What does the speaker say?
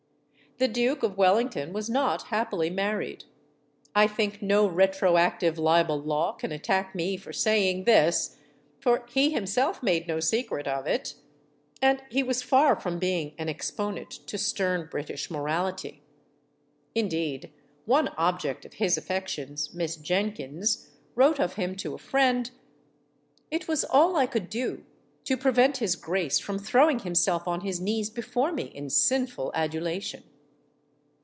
The Duke of Wellington was not happily married. I think no retroactive libel law can attack me for saying this, for he himself made no secret of it. And he was far from being an exponent to stern British morality. Indeed, one object of his affections, Miss Jenkins, wrote of him to a friend: "It was all I could do to prevent His Grace from MADAME RECAMIER 243 throwing himself on his knees before me in sinful adul ation."